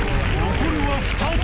残るは２つ。